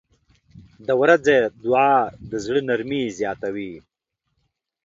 • د ورځې دعا د زړه نرمي زیاتوي.